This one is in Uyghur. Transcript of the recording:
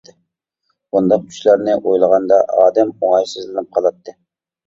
بۇنداق چۈشلەرنى ئويلىغاندا ئادەم ئوڭايسىزلىنىپ قالاتتى.